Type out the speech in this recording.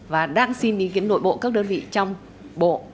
và đang xin ý kiến nội bộ các đơn vị trong bộ